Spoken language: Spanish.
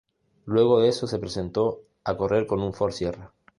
Luego de eso, se presentó a correr con un Ford Sierra.